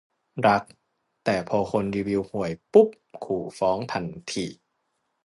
รัก แต่พอคนรีวิวห่วยปุ๊บขู่ฟ้องทันที